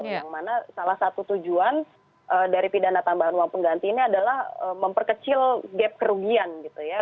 yang mana salah satu tujuan dari pidana tambahan uang pengganti ini adalah memperkecil gap kerugian gitu ya